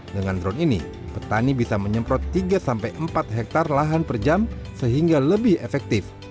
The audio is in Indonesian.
dengan drone ini petani bisa menyemprot tiga sampai empat hektare lahan per jam sehingga lebih efektif